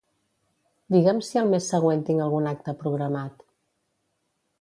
Digue'm si el mes següent tinc algun acte programat.